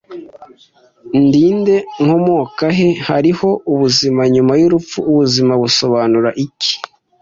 Ndi nde? Nkomoka he? Hariho ubuzima nyuma y'urupfu? Ubuzima busobanura iki?